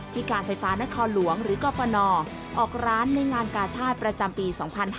การไฟฟ้านครหลวงหรือกรฟนออกร้านในงานกาชาติประจำปี๒๕๕๙